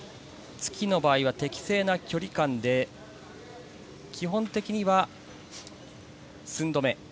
突きの場合は適正な距離感で基本的には、寸止め。